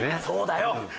そうだよ。